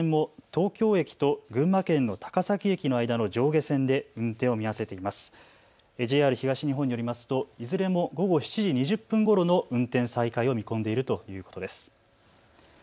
ＪＲ東日本によりますといずれも午後７時２０分ごろの運転再開を見込んでいるということです。